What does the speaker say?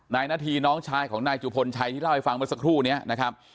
นาทีน้องชายของนายจุพลชัยที่เล่าให้ฟังเมื่อสักครู่นี้นะครับ